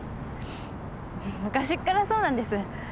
昔っからそうなんです。